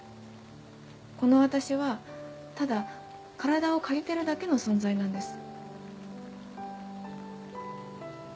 この私はただ体を借りてるだけの存在なんです。